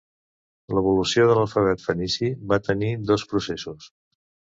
L'evolució de l'alfabet fenici va tenir dos processos.